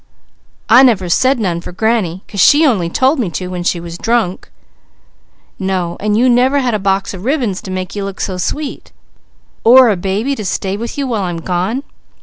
"I never said none for granny, 'cause she only told me to when she was drunk." "No and you never had a box of ribbons to make you look so sweet, or a baby to stay with you while I'm gone.